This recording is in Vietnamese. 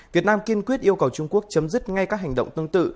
việt nam kiên quyết yêu cầu trung quốc chấm dứt ngay các hành động tương tự